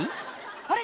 あれ？